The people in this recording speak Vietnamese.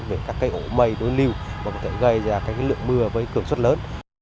về các cây ổ mây đối lưu và có thể gây ra lượng mưa với cường suất lớn